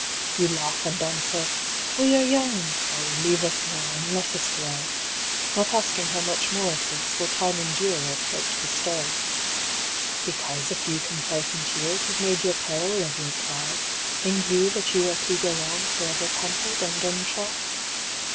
"You laugh and answer, 'We are young; O leave us now, and let us grow.' Not asking how much more of this Will Time endure or Fate bestow. "Because a few complacent years Have made your peril of your pride, Think you that you are to go on Forever pampered and untried?